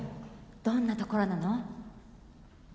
どんなところなの？